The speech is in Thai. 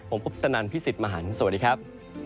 ผมคุปตนันพี่สิทธิ์มหันฯสวัสดีครับ